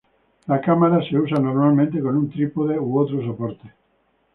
La cámara es usada normalmente con un trípode u otro soporte.